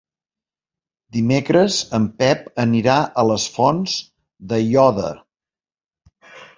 Dimecres en Pep anirà a les Fonts d'Aiòder.